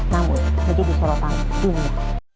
namun menjadi sorotan dunia